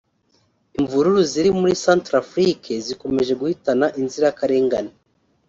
Imvururu ziri muri Centrafrique zikomeje guhitana inzirakarengane